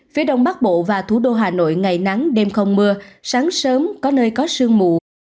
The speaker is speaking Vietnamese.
phía đông bắc bộ và thủ đô hà nội ngày nắng đêm không mưa sáng sớm có nơi có sương mù